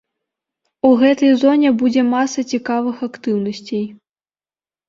У гэтай зоне будзе маса цікавых актыўнасцей.